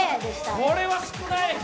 これは少ない。